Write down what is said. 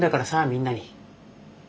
みんなに。